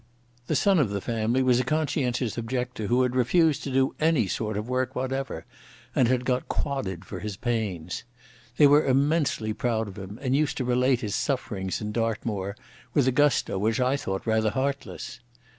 The son of the family was a conscientious objector who had refused to do any sort of work whatever, and had got quodded for his pains. They were immensely proud of him and used to relate his sufferings in Dartmoor with a gusto which I thought rather heartless.